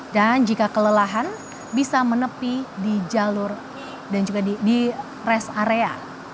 dan jika kelelahan bisa menepi di jalur dan juga di rest area